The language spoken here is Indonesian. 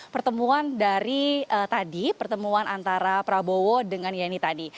pertemuan dari tadi pertemuan antara prabowo dengan yeni tadi